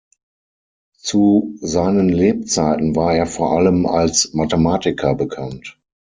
Zu seinen Lebzeiten war er vor allem als Mathematiker bekannt.